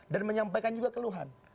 dan menyampaikan juga keluhan